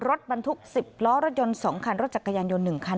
รถบรรทุก๑๐ล้อรถยนต์๒คันรถจักรยานยนต์๑คัน